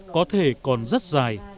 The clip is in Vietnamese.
có thể còn rất dài